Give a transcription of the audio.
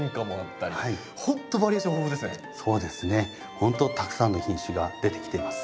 ほんとたくさんの品種が出てきてます。